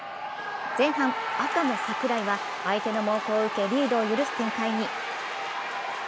前半、赤の櫻井は相手の猛攻を受けリードを許す展開に。